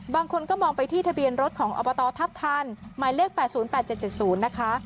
บางคนก็มองไปที่ทะเบียนรถของอบตทัพทันหมายเลข๘๐๘๗๗๐นะคะ